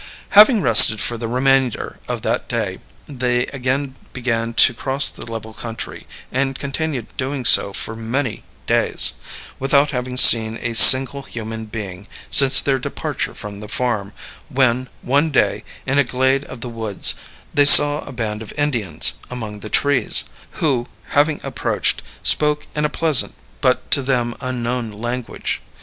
Having rested for the remainder of that day, they again began to cross the level country, and continued doing so for many days, without having seen a single human being since their departure from the farm, when, one day, in a glade of the woods, they saw a band of Indians among the trees, who, having approached, spoke in a pleasant but to them unknown language.